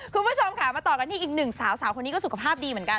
คุณผู้ชมค่ะมาต่อกันที่อีกหนึ่งสาวสาวคนนี้ก็สุขภาพดีเหมือนกัน